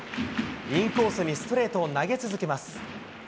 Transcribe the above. インコースにストレートを投げ続けます。